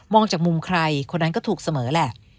จากมุมใครคนนั้นก็ถูกเสมอแหละ